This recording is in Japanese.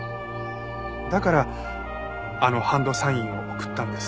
だからあのハンドサインを送ったんです。